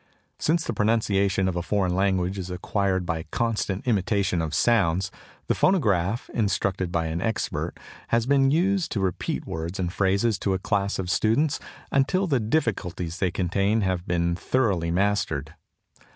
Since the pronunciation of a foreign language is acquired by constant imitation of sounds, the phonograph, instructed by an expert, has been used to repeat words and phrases to a class of students until the difficulties they contain have been thoroughly mastered.